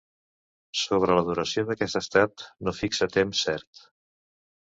Sobre la duració d’aquest estat, no fixa temps cert.